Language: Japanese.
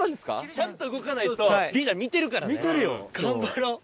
ちゃんと動かないとリーダー見てるからね頑張ろう。